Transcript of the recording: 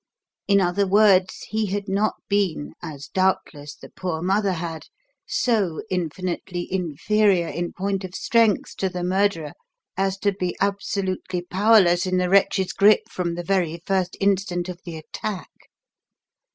In other words, he had not been, as doubtless the poor mother had, so infinitely inferior in point of strength to the murderer as to be absolutely powerless in the wretch's grip from the very first instant of the attack.